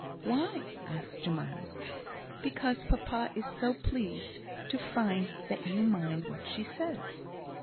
"Why?" asked Jemima. "Because papa is so pleased to find that you mind what she says."